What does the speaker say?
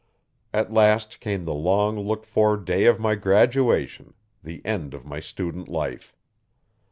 At last came the long looked for day of my graduation the end of my student life.